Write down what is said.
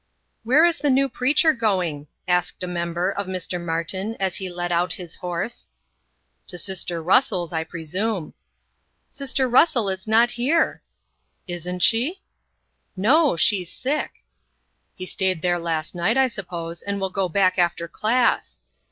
"Where is the new preacher going?" asked a member, of Mr. Martin, as he led out his horse. "To sister Russell's, I presume." "Sister Russell is not here." "Isn't she?" "No; she's sick." "He stayed there last night, I suppose, and will go back after class."